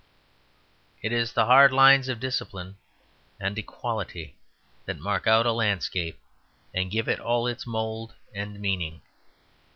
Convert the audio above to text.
It is the hard lines of discipline and equality that mark out a landscape and give it all its mould and meaning.